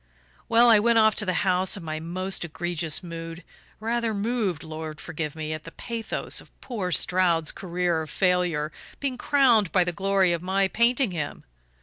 "Well, I went off to the house in my most egregious mood rather moved, Lord forgive me, at the pathos of poor Stroud's career of failure being crowned by the glory of my painting him!